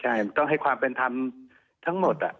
ใช่ต้องให้ความเป็นธรรมทั้งหมด